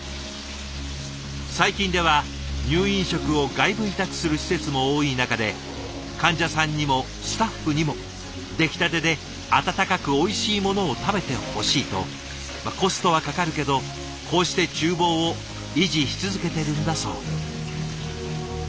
最近では入院食を外部委託する施設も多い中で患者さんにもスタッフにも出来たてで温かくおいしいものを食べてほしいとコストはかかるけどこうして厨房を維持し続けてるんだそう。